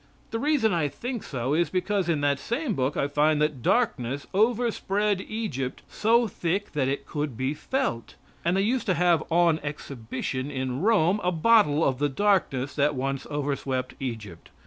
The reason I think so is because in that same book I find that darkness overspread Egypt so thick that it could be felt, and they used to have on exhibition in Rome a bottle of the darkness that once overspread Egypt.